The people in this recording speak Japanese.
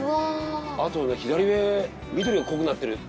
あとね、左上緑が濃くなってる。